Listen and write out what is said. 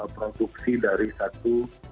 produksi dari satu